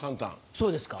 そうですか。